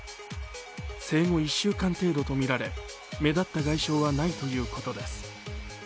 生後１週間程度とみられ目立った外傷はないということです。